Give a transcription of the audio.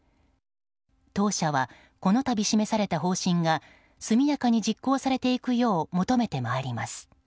当社はこのたび示された方針が速やかに実行されていくよう求めてまいります。